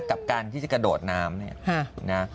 กับการที่จะกระโดดน้ำเนี่ยนะ